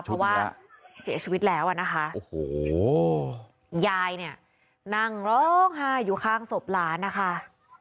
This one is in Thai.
เพราะว่าเสียชีวิตแล้วอ่ะนะคะโอ้โหยายเนี่ยนั่งร้องไห้อยู่ข้างศพหลานนะคะ